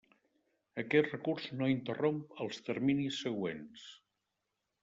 Aquest recurs no interromp els terminis següents.